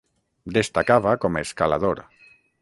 Destacava com a escalador.